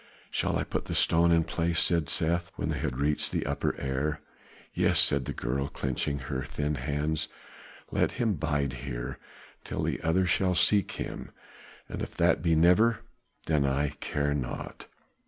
"Shall I put the stone in its place?" said Seth, when they had reached the upper air. "Yes," said the girl, clenching her thin hands. "Let him bide there till the other shall seek him, and if that be never, then I care not.